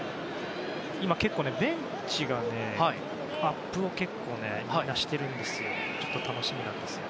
今、結構ベンチがアップを結構みんなしているのでちょっと楽しみなんですよね。